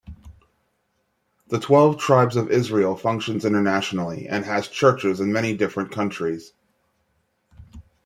The Twelve Tribes of Israel functions internationally and has "churches" in many different countries.